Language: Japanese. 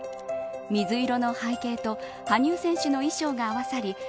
水色の背景と羽生選手の衣装が合わさり